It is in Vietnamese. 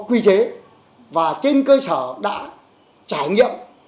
quy chế và trên cơ sở đã trải nghiệm